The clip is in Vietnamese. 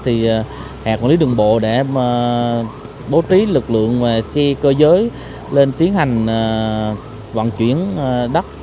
thì hẹp quản lý đường bộ để bố trí lực lượng xe cơ giới lên tiến hành vận chuyển đất